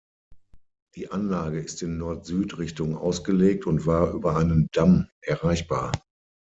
Die Anlage ist in Nord-Süd-Richtung ausgelegt und war über einen Damm erreichbar.